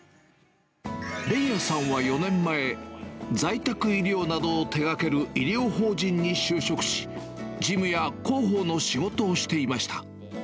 連也さんは４年前、在宅医療などを手がける医療法人に就職し、事務や広報の仕事をしていました。